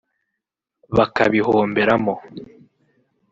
bakabihomberamo